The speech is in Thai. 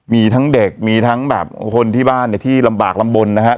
มีทั้งเด็กมีทั้งคนที่บ้านที่ลำบากลำบนนะครับ